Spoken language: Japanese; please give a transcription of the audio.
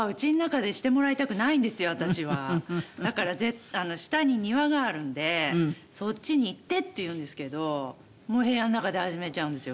だから下に庭があるんでそっちに行ってって言うんですけど部屋の中で始めちゃうんですよ